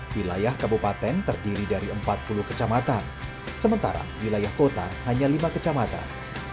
wilayah kabupaten terdiri dari empat puluh kecamatan sementara wilayah kota hanya lima kecamatan